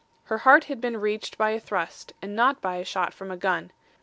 Her heart had been reached by a thrust and not by a shot from a gun.